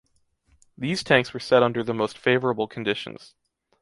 These tanks were set under the most favorable conditions.